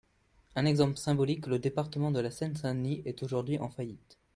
Un exemple symbolique, le département de la Seine-Saint-Denis est aujourd’hui en faillite.